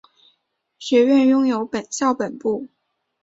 学院拥有校本部。